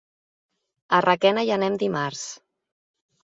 A Requena hi anem dimarts.